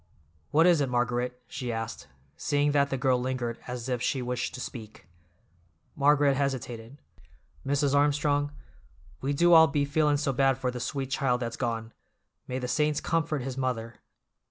"What is it, Margaret?" she asked, seeing that the girl lingered as if she wished to speak. Margaret hesitated. "Mrs. Armstrong, we do all be feelin' so bad for the sweet child that's gone. May the saints comfort his mother!